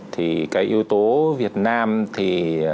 thì cái yếu tố việt nam thì